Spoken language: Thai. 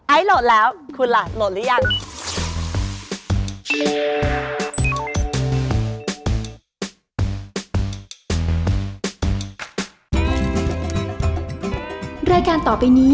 โหลดแล้วคุณล่ะโหลดหรือยัง